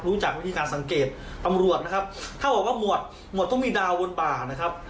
จากวิธีการสังเกตตำรวจนะครับเท่ากับว่าหมวดหมวดต้องมีดาวบนป่านะครับ